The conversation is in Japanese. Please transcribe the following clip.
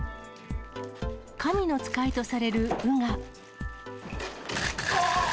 神の使いとされる鵜が。